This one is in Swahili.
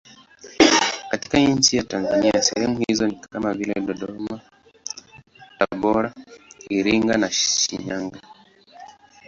Katika nchi ya Tanzania sehemu hizo ni kama vile Dodoma, Tabora, Iringa, Shinyanga.